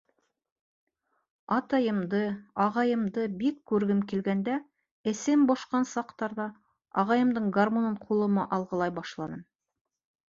Атайымды, ағайымды бик күргем килгәндә, эсем бошҡан саҡтарҙа, ағайымдың гармунын ҡулыма ал ғылай башланым.